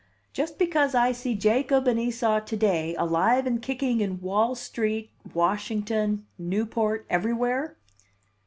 "Just because I see Jacob and Esau to day, alive and kicking in Wall Street, Washington, Newport, everywhere?"